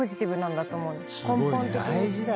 根本的に。